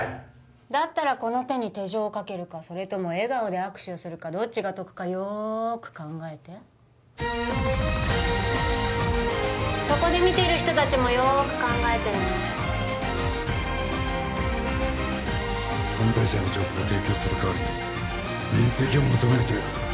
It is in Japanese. だったらこの手に手錠をかけるかそれとも笑顔で握手をするかどっちが得かよく考えてそこで見ている人たちもよく考えてね犯罪者の情報を提供する代わりに免責を求めるということか？